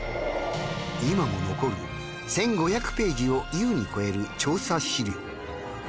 今も残る１、５００ページを優に超える調査資料。